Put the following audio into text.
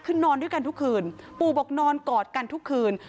คือนอนด้วยกันทุกคืนปู่บอกนอนกอดกันทุกคืน